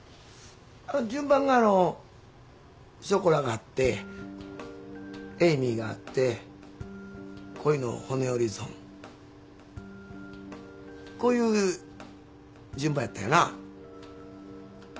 順番が「ショコラ」があって「エイミー」があって「恋の骨折り損」こういう順番やったよな？